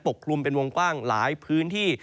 กลุ่มเป็นวงกว้างหลายพื้นที่